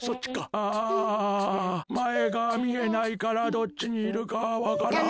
あまえがみえないからどっちにいるかわからん。